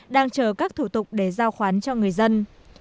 đang chờ các thủ tục để giao khoán cho người dân